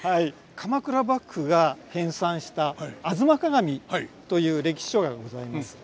鎌倉幕府が編さんした「吾妻鏡」という歴史書がございます。